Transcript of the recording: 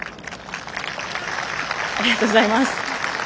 ありがとうございます。